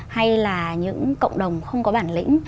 hay là những cộng đồng không có bản lĩnh